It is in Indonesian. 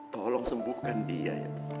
tolong sembuhkan dia